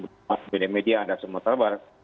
di media media anda semua